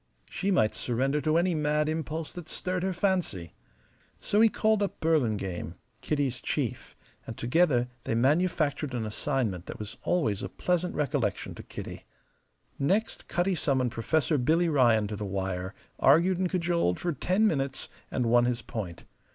She might surrender to any mad impulse that stirred her fancy. So he called up Burlingame. Kitty's chief, and together they manufactured an assignment that was always a pleasant recollection to Kitty. Next, Cutty summoned Professor Billy Ryan to the wire, argued and cajoled for ten minutes, and won his point.